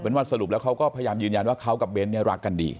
เป็นว่าสรุปแล้วเขาก็พยายามยืนยันว่าเขากับเบ้นเนี่ยรักกันดี